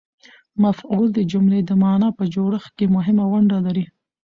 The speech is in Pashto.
مفعول د جملې د مانا په جوړښت کښي مهمه ونډه لري.